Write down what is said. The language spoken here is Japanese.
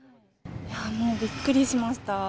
いやぁもう、びっくりしました。